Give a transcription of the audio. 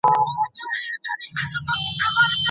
ارامي د رواني روغتیا لپاره اړینه ده؟